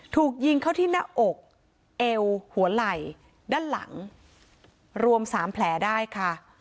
ถูกยิงเข้าที่หน้าอกเอวหัวไหล่ด้านหลังรวม๓แผลได้ค่ะ